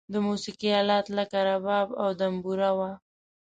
د موسیقی آلات لکه رباب او دمبوره و.